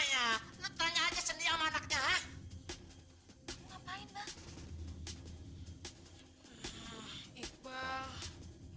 habis ini rouge kami dihanyakan